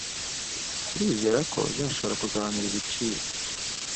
Turizera ko uzashobora kugabanura ibiciro.